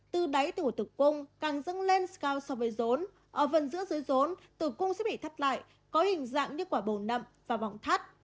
từ đáy tủ của tủ cung càng dâng lên cao so với rốn ở vần giữa dưới rốn tủ cung sẽ bị thắt lại có hình dạng như quả bồn nậm và vòng thắt